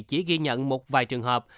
chỉ ghi nhận một vài trường hợp